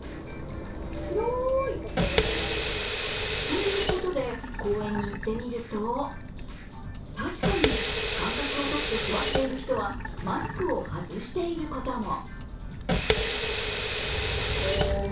ということで、公園に行ってみると確かに間隔を取って座っている人はマスクを外していることも。